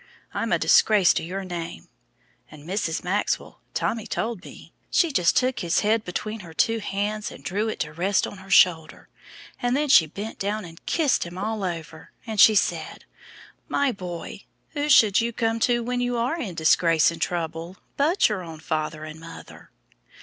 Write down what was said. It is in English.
I'm a disgrace to your name,' and Mrs. Maxwell Tommy told me she just took his head between her two hands, and drew it to rest on her shoulder, and then she bent down and kissed him all over and she said: "'My boy, who should you come to when you are in disgrace and trouble but your own father and mother?'